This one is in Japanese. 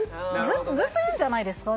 ずっと言うんじゃないですか？